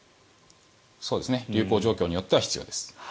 流行状況によっては必要です。